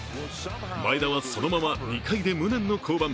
前田はそのまま２回で無念の降板。